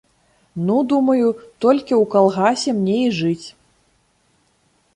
Ну, думаю, толькі ў калгасе мне і жыць.